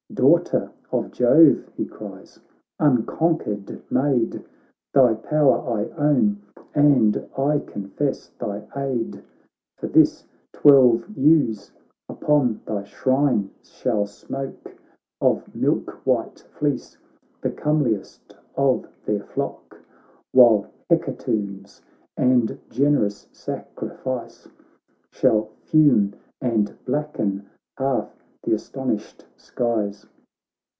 ' Daughter of Jove,' he cries, ' uncon quered maid ! Thy power I own, and I confess thy aid ; For this twelve ewes upon thy shrine shall smoke Of milk white fleece, the comeliest of their flock, While hecatombs and generous sacrifice Shall fume and blacken half th' aston ished skies.'